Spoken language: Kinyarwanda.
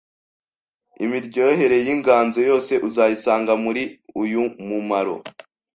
Imiryohere y’inganzo yose uzayisanga muri uyu mumaro